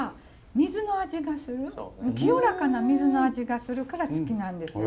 清らかな水の味がするから好きなんですよね。